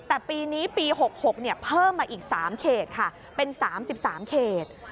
แต่ปีนี้ปี๖๖เพิ่มมาอีก๓เขตค่ะเป็น๓๓เขต